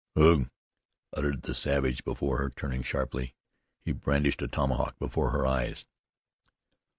"Ugh!" uttered the savage before her, turning sharply. He brandished a tomahawk before her eyes.